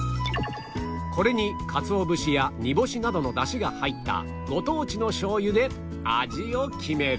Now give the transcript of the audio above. これにカツオ節やにぼしなどの出汁が入ったご当地のしょう油で味を決める